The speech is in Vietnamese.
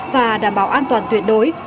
và đảm bảo an toàn tuyệt đối